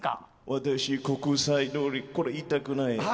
私、国際通りこれ言いたくない。